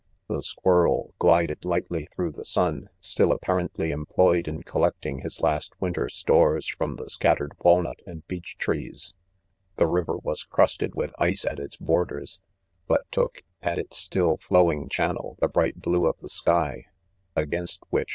* The s.quirrel glided lightly through the sun ? gtill apparently employed in collecting his last winter stores from the scattered walnut and oeech treesr The river was crusted with ice at its borders, but; took, at its,, still flowing channel, the bright blue of the sky, against which